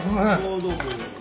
どうぞ。